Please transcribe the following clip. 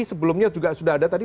sebelumnya juga sudah ada tadi